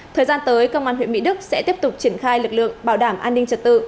thời gian tới công an huyện mỹ đức sẽ tiếp tục triển khai lực lượng bảo đảm an ninh trật tự